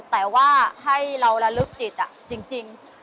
แต่ว่าให้เราระลึกจิตจริง